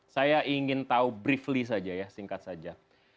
saya ingin tahu briefley saja ya singkat saja